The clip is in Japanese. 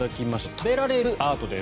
食べられるアートです。